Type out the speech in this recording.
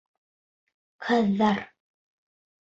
Ҡыҙҙар.